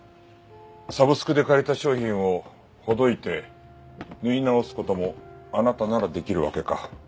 サブスクで借りた商品をほどいて縫い直す事もあなたならできるわけか。